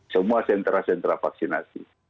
semua sentra sentra vaksinasi